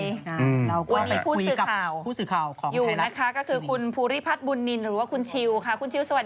เราก็ไปคุยกับผู้สื่อข่าวของภายลักษณ์คือคุณภูริพัฒน์บุญนินหรือว่าคุณชิว